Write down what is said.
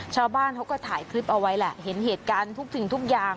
ชาวบ้านเขาก็ถ่ายคลิปเอาไว้แหละเห็นเหตุการณ์ทุกสิ่งทุกอย่าง